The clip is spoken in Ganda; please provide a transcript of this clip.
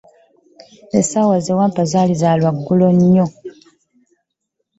Essaawa ze wampa zaali za lwaggulo nnyo.